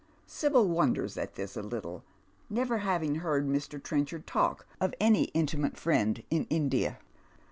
Sibyl wonders at this a little, never having heard Mr. Trenchard talk of any intimate fiiend in India.